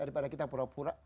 daripada kita pura pura